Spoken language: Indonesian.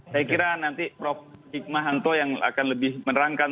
saya kira nanti prof hikmahanto yang akan lebih menerangkan